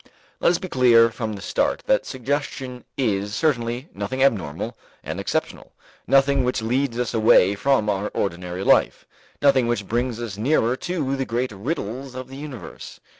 Let us be clear from the start that suggestion is certainly nothing abnormal and exceptional, nothing which leads us away from our ordinary life, nothing which brings us nearer to the great riddles of the universe.